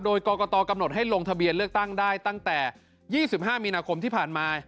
โดยกรกตกำหนดให้ลงทะเบียนเลือกตั้งได้ตั้งแต่๒๕มีนาคมที่ผ่านมา